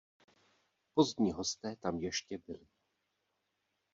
Pozdní hosté tam ještě byli.